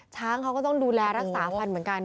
ช้างเขาก็ต้องดูแลรักษาพันธุ์เหมือนกัน